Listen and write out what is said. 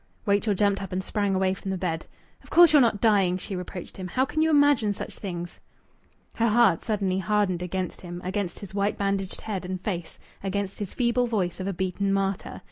Rachel jumped up and sprang away from the bed. "Of course you're not dying!" she reproached him. "How can you imagine such things?" Her heart suddenly hardened against him against his white bandaged head and face, against his feeble voice of a beaten martyr.